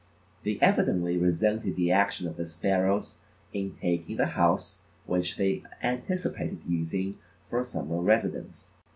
They evidently resented the action of the sparrows in taking the house which they anticipated using for a summer residence.